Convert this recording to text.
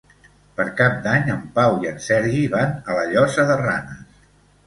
Per Cap d'Any en Pau i en Sergi van a la Llosa de Ranes.